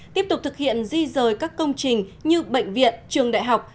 tiếp tục thực hiện di rời các công trình như bệnh viện trường đại học